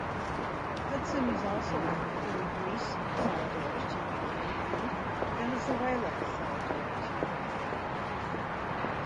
Hudson is also active in the Greece Solidarity Campaign and the Venezuela Solidarity Campaign.